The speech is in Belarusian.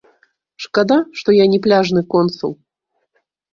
Шкада, што я не пляжны консул.